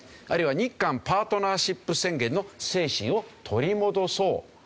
あるいは日韓パートナーシップ宣言の精神を取り戻そう。